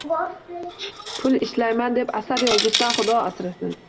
Pul ishlayman deb asar yozishdan xudo asrasin.